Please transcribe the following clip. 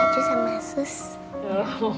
bawa baju sama sus